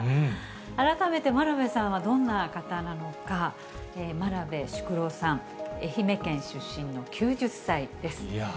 改めて真鍋さんはどんな方なのか、真鍋淑郎さん、愛媛県出身の９０歳です。